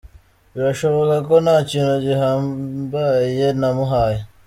Birashoboka ko nta kintu gihambaye namuhaye.